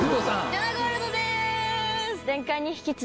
ジョナゴールドです！